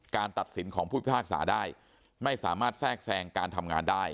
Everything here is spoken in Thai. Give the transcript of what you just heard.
ตัดสินของผู้พิพากษาได้ไม่สามารถแทรกแทรงการทำงานได้